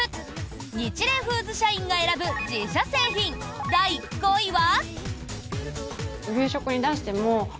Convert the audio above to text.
ニチレイフーズ社員が選ぶ自社製品、第５位は。